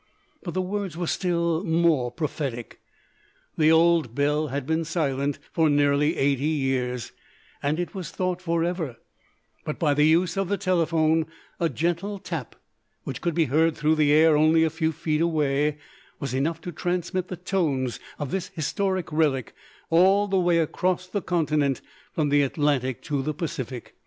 But the words were still more prophetic. The old bell had been silent for nearly eighty years, and it was thought forever, but by the use of the telephone a gentle tap, which could be heard through the air only a few feet away, was enough to transmit the tones of the historic relic all the way across the continent from the Atlantic to the Pacific.